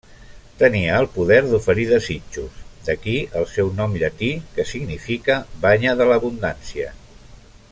Tenia el poder d'oferir desitjos, d'aquí el seu nom llatí, que significa 'banya de l'abundància'.